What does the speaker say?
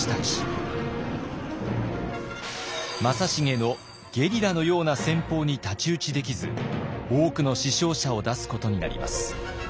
正成のゲリラのような戦法に太刀打ちできず多くの死傷者を出すことになります。